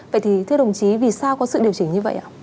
vậy thì thưa đồng chí vì sao có sự điều chỉnh như vậy ạ